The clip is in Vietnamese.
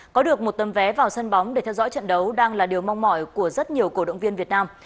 có được một tấm vé vào sân bóng để theo dõi trận đấu đang là điều mong mỏi của rất nhiều cổ động viên việt nam